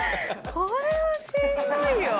これはしんどいよ。